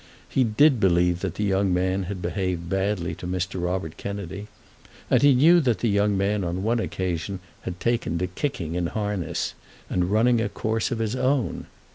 He did believe that the young man had behaved badly to Mr. Robert Kennedy, and he knew that the young man on one occasion had taken to kicking in harness, and running a course of his own.